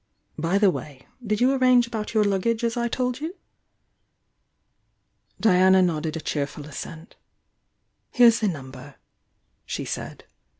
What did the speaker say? By the way. did you arrange about your luggage as I told you?" Diana nodded a cheerful assent. "Here's vhe number," she said.